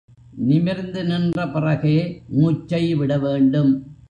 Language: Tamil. நிமிர்ந்து நின்ற பிறகே மூச்சை விட வேண்டும்.